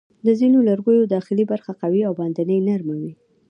د ځینو لرګیو داخلي برخه قوي او باندنۍ نرمه وي.